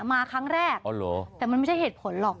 มาครั้งแรกแต่มันไม่ใช่เหตุผลหรอก